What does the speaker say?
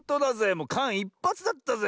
もうかんいっぱつだったぜ。